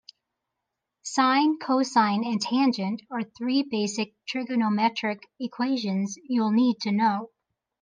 Sine, cosine and tangent are three basic trigonometric equations you'll need to know.